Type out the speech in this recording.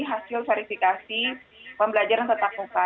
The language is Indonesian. hasil verifikasi pembelajaran tetap muka